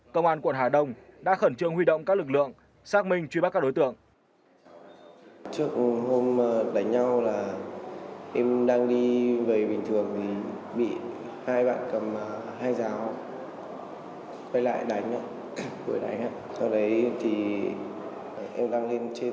công an quận hà đông đã khẩn trương huy động các lực lượng xác minh truy bắt các đối tượng